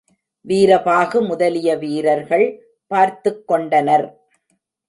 வீரபாகு முதலிய வீரர்கள் பார்த்துக் கொண்டனர்.